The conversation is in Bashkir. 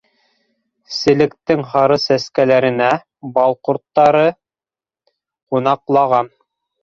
Селектең һары сәскәләренә бал ҡорттары ҡунаҡлаған.